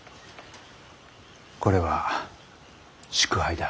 これは祝杯だ。